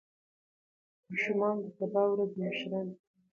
ماشومان د سبا ورځې مشران دي.